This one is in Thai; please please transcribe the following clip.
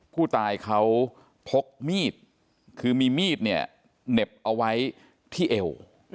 ผู้ตายเขาพกมีดคือมีมีดเนี่ยเหน็บเอาไว้ที่เอว